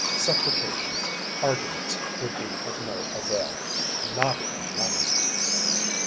Supplications, arguments would be of no avail. Not even money.